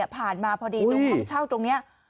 ผ่านมาพอดีตรงห้องเช่าตรงนี้